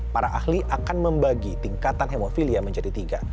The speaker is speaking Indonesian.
para ahli akan membagi tingkatan hemofilia menjadi tiga